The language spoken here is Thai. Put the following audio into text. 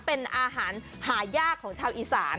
เป็นอาหารหายากของชาวอีสาน